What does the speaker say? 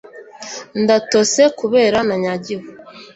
ndatose kubera nanyagiwe